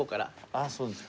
あっそうですか。